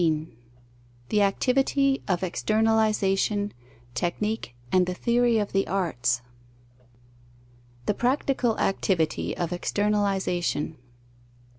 XV THE ACTIVITY OF EXTERNALIZATION, TECHNIQUE AND THE THEORY OF THE ARTS _The practical activity of externalization.